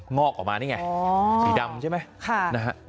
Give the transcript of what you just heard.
งอกออกมานี่ไงสีดำใช่ไหม